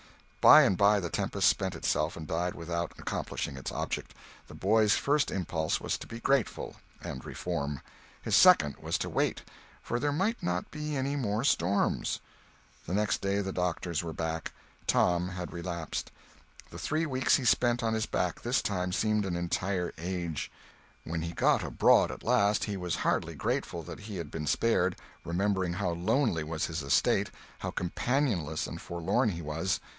By and by the tempest spent itself and died without accomplishing its object. The boy's first impulse was to be grateful, and reform. His second was to wait—for there might not be any more storms. The next day the doctors were back; Tom had relapsed. The three weeks he spent on his back this time seemed an entire age. When he got abroad at last he was hardly grateful that he had been spared, remembering how lonely was his estate, how companionless and forlorn he was.